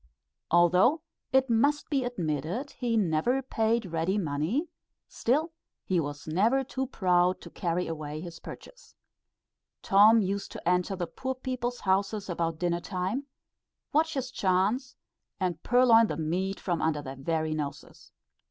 Although it must be admitted he never paid ready money, still he was never too proud to carry away his purchase. Tom used to enter the poor people's houses about dinner time, watch his chance, and purloin the meat from under their very noses.